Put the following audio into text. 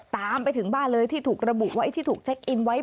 ตามไปถึงบ้านเลยที่ถูกระบุไว้ที่ถูกเช็คอินไว้